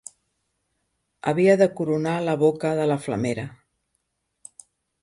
Havia de coronar la boca de la flamera